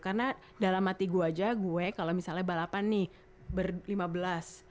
karena dalam hati gue aja gue kalo misalnya balapan nih berlima belas